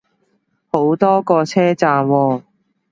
好多個車站喎